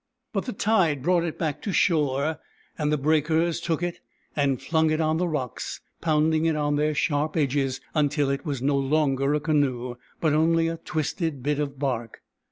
But the tide brought it back to shore, and the breakers took it and flung it on the rocks, pound ing it on their sharp edges until it was no longer a canoe, but only a twisted bit of bark.